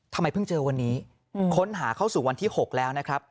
ทำไมเพิ่งเจอวันนี้ค้นหาเข้าสู่วันที่๖แล้วนะครับ